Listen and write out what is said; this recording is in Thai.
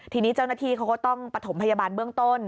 ทีนี้เจ้าหน้าที่เขาก็ต้องประถมพยาบาลเบื้องต้น